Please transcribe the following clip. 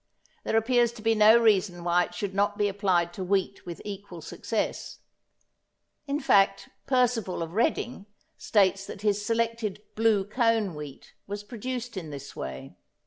There appears to be no reason why it should not be applied to wheat with equal success; in fact, Percival of Reading states that his selected Blue Cone wheat was produced in this way.